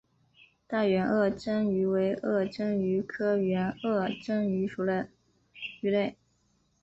大圆颌针鱼为颌针鱼科圆颌针鱼属的鱼类。